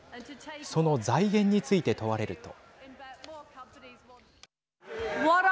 その財源について問われると。